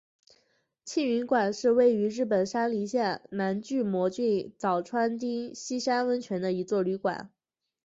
庆云馆是位于日本山梨县南巨摩郡早川町西山温泉的一座旅馆。